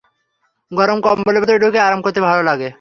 গরম কম্বলের ভেতর ঢুকে আরাম করতে ভালো লাগে।